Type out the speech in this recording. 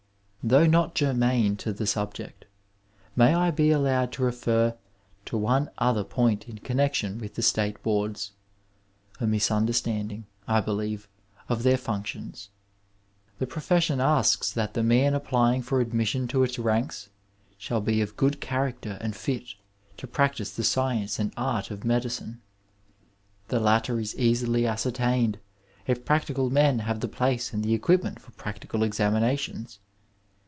Though not germane to the subject, may I be allowed to refer to one other point in connexion with the State Boards — a misunderstanding, I believe, of their func tions. The profession asks that the man applying for admission to its ranks shall be of good character and fit to practise the science and art of medicine. The latter is easily ascertained if practical men have the place and the equipment for practical examinations.